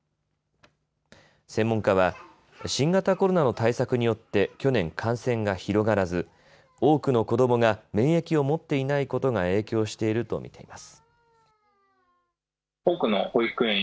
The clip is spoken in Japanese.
専門家は新型コロナの対策によって去年、感染が広がらず多くの子どもが免疫を持っていないことが影響していると見ています。